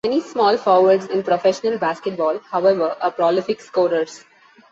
Many small forwards in professional basketball, however, are prolific scorers.